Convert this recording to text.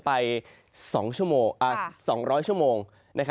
ไป๒๐๐ชั่วโมง